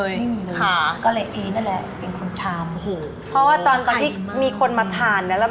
ยังเป็นหนี้เกิน๒ล้านค่ะค่ะ